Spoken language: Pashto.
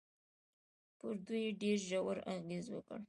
پر دوی يې ډېر ژور اغېز وکړ.